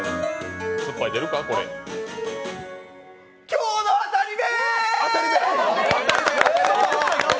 今日のあたりめ！